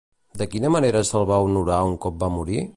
De quina manera se'l va honorar un cop va morir?